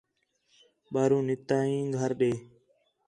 ٻِاہروں نِکتا ہیں گھر ݙے